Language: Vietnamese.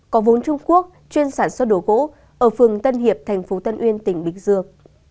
có vốn trung quốc chuyên sản xuất đồ gỗ ở phường tân hiệp tp tân uyên tỉnh bình dương